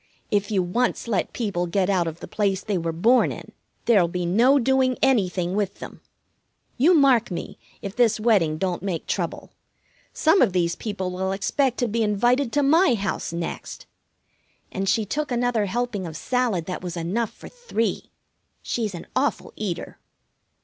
If you once let people get out of the place they were born in, there'll be no doing anything with them. You mark me, if this wedding don't make trouble. Some of these people will expect to be invited to my house next." And she took another helping of salad that was enough for three. She's an awful eater.